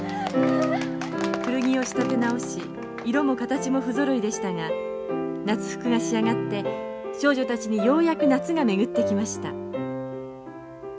古着を仕立て直し色も形も不ぞろいでしたが夏服が仕上がって少女たちにようやく夏が巡ってきました。